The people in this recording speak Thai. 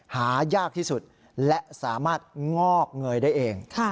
หายากที่สุดและสามารถงอกเงยได้เอง